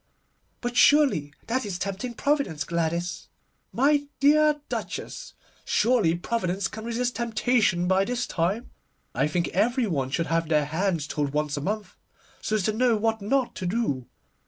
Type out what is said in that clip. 'But surely that is tempting Providence, Gladys.' 'My dear Duchess, surely Providence can resist temptation by this time. I think every one should have their hands told once a month, so as to know what not to do.